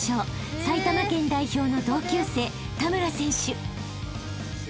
［埼玉県代表の同級生田村選手］